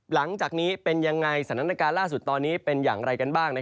หลังจากนี้เป็นยังไงสถานการณ์ล่าสุดตอนนี้เป็นอย่างไรกันบ้าง